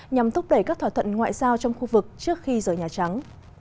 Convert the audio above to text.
nhằm thúc đẩy các thỏa thuận ngoại giao trong khu vực trước khi rời nhà trắng